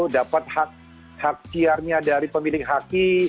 dapat hak hak tiarnya dari pemilik haki